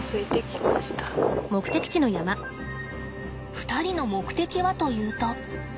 ２人の目的はというと。